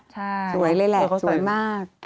ใช่สวยเลยแหละสวยมาก